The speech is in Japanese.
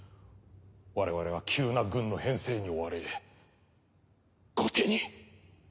我々は急な軍の編成に追われ後手に！